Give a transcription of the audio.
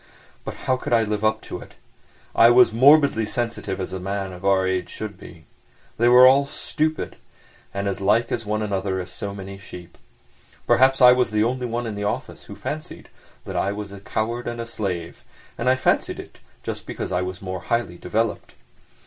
But how could I live up to it? I was morbidly sensitive as a man of our age should be. They were all stupid, and as like one another as so many sheep. Perhaps I was the only one in the office who fancied that I was a coward and a slave, and I fancied it just because I was more highly developed.